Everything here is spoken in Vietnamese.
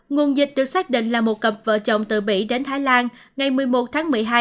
nguồn dịch được xác định là một cặp vợ chồng từ bỉ đến thái lan ngày một mươi một tháng một mươi hai